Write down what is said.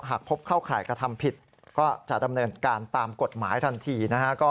หากพบเข้าข่ายกระทำผิดก็จะดำเนินการตามกฎหมายทันทีนะฮะ